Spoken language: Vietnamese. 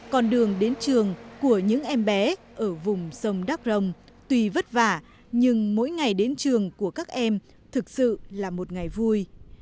con đường đến trường của những em bé ở vùng sông đắk rồng tuy vất vả nhưng mỗi ngày đến trường của các em thực sự là một ngày vui